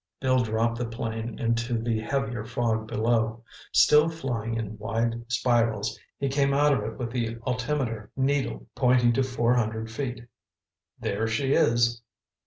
Bill dropped the plane into the heavier fog below. Still flying in wide spirals, he came out of it with the altimeter needle pointing to four hundred feet. "There she is!"